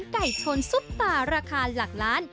ไก่ชนซุปตาราคาหลักล้าน